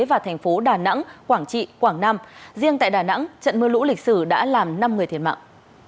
và thành phố đà nẵng quảng trị quảng nam riêng tại đà nẵng trận mưa lũ lịch sử đã làm năm người thiệt mạng